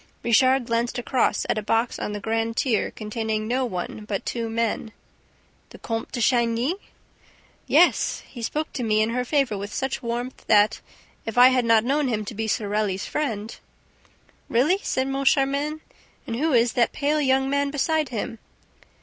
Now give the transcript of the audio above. Richard glanced across at a box on the grand tier containing no one but two men. "The Comte de Chagny?" "Yes, he spoke to me in her favor with such warmth that, if I had not known him to be Sorelli's friend ..." "Really? Really?" said Moncharmin. "And who is that pale young man beside him?"